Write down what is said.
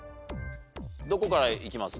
どこからいきます？